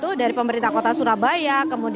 nah di rumahnya itu umurigue voi